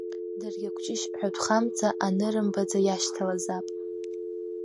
Даргьы акәҷышь ҳәатәхамҵа анырымбаӡа иашьҭалазаап.